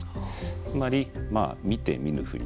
つまり見て見ぬふり